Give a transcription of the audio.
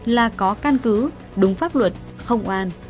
là có căn cứ đúng pháp luật không an